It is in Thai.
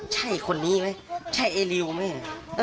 ใช่คนนี้มั้ยใช่ไอ้ริวมั้ย